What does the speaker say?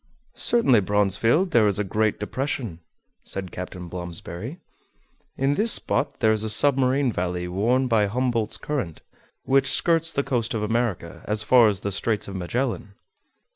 "Certainly, Bronsfield, there is a great depression," said Captain Blomsberry. "In this spot there is a submarine valley worn by Humboldt's current, which skirts the coast of America as far as the Straits of Magellan."